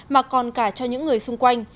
mà còn cả cho những người xung quanh